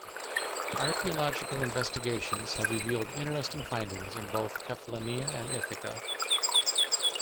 Archeological investigations have revealed interesting findings in both Kefalonia and Ithaca.